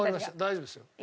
大丈夫ですよ。